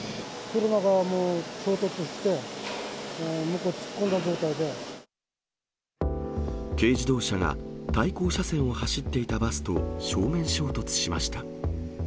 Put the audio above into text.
車がもう、衝突して、軽自動車が、対向車線を走っていたバスと正面衝突しました。